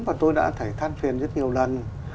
và tôi đã thấy than phiền rất nhiều lần